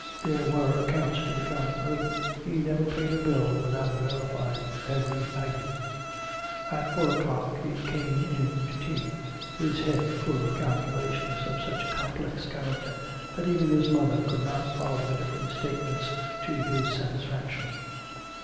There were accounts to be gone through. He never paid a bill without verifying every item. At four o'clock he came in to tea, his head full of calculations of such complex character that even his mother could not follow the different statements to his satisfaction.